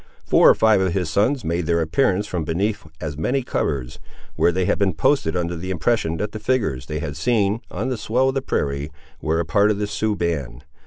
Four or five of his sons made their appearance from beneath as many covers, where they had been posted under the impression that the figures they had seen, on the swell of the prairie, were a part of the Sioux band.